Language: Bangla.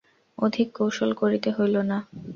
অধিক কৌশল করিতে হইল না।